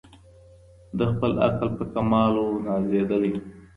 د خپل عقل په کمال وو نازېدلی